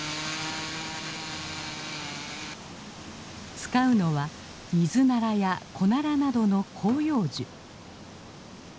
使うのはミズナラやコナラなどの広葉樹。